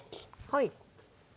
はい。